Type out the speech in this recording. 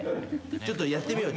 ちょっとやってみよう。